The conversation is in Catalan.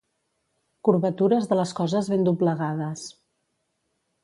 Curvatures de les coses ben doblegades.